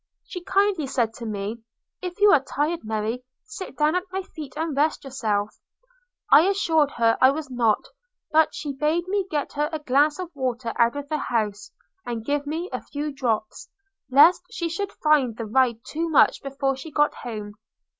She kindly said to me 'If you are tired, Mary, sit down at my feet and rest yourself.' – I assured her I was not; but she bade me get her a glass of water out of the house, and give her a few drops, lest she should find the ride too much before she got home.